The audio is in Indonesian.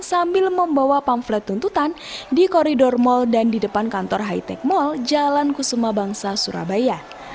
sambil membawa pamflet tuntutan di koridor mal dan di depan kantor high tech mall jalan kusuma bangsa surabaya